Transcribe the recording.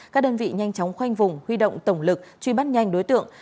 các đơn vị nhanh chóng khoanh vùng huy động tổng lực truy bắt nhanh đối tượng